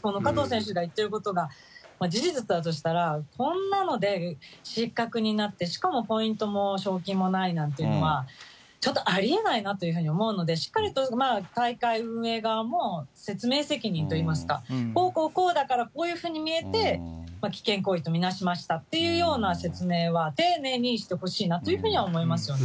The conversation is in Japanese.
この加藤選手が言ってることが事実だとしたら、こんなので失格になって、しかもポイントも賞金もないなんていうのは、ちょっとありえないなというふうに思うので、しっかりと大会運営側も説明責任といいますか、こうこうこうだから、こういうふうに見えて、危険行為と見なしましたという説明は丁寧にしてほしいなというふうには思いますよね。